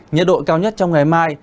nhiệt độ cao nhất trong ngày mai